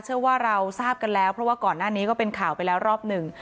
เชื่อว่าเราทราบกันแล้วเพราะว่าก่อนหน้านี้ก็เป็นข่าวไปแล้วรอบหนึ่ง